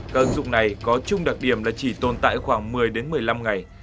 các ứng dụng này có chung đặc điểm là chỉ tồn tại khoảng một mươi đến một mươi năm ngày